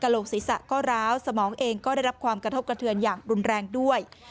โหลกศีรษะก็ร้าวสมองเองก็ได้รับความกระทบกระเทือนอย่างรุนแรงด้วย